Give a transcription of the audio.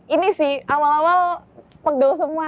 ini sih amal amal pegel semua